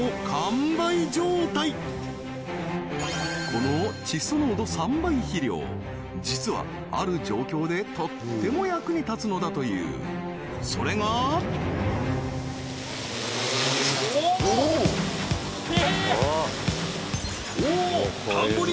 この窒素濃度３倍肥料実はある状況でとっても役に立つのだというそれがおおえっ！？